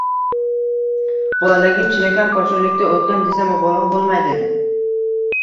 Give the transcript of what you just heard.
Bolaligim chinakam poshsholikda o‘tgan, desam mubolag‘a bo‘lmaydi